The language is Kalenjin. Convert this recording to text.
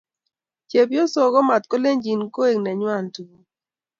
Chebyosok komakat keyanjin koek nenywa tuguk.